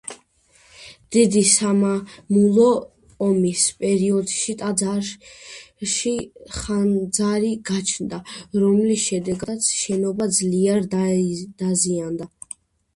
დიდი სამამულო ომის პერიოდში ტაძარში ხანძარი გაჩნდა, რომლის შედეგადაც შენობა ძლიერ დაზიანდა.